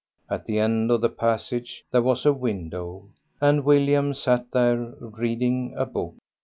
At the end of the passage there was a window; and William sat there reading a book.